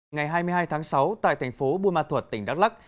ngày hai mươi hai tháng sáu tại thành phố buôn ma thuật tỉnh đắk lắc